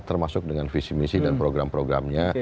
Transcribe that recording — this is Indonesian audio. termasuk dengan visi misi dan program programnya